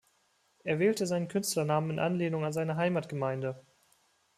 Er wählte seinen Künstlernamen in Anlehnung an seine Heimatgemeinde.